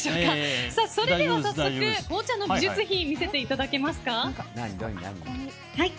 それでは早速、紅茶の美術品見せていただけますか？